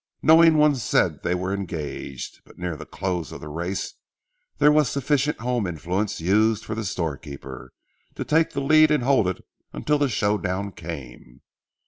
Knowing ones said they were engaged. But near the close of the race there was sufficient home influence used for the storekeeper to take the lead and hold it until the show down came.